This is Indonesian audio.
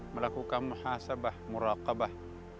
melakukan muhasabah muraqabah